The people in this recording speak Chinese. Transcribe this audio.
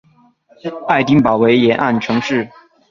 爱丁堡为沿岸城市。